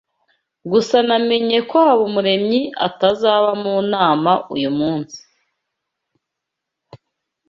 Gusa namenye ko Habumuremyi atazaba mu nama uyu munsi.